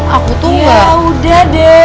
aku tuh udah deh